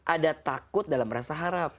ada takut dalam rasa harap